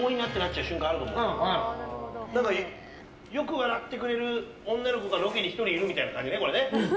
よく笑ってくれる女の子がロケに１人いるみたいな感じね。